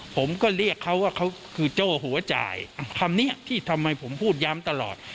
ผมก็เรียกเขาว่าเขาคือโจ้หัวจ่ายคำนี้ที่ทำไมผมพูดย้ำตลอด